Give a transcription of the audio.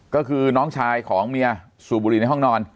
ก็คือน้องชายของเมียสูบบุหรี่ในห้องนอน